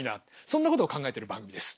そんなことを考えてる番組です。